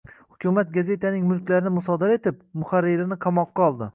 Hukumat gazetaning mulklarini musodara etib, muharririni qamoqqa oldi.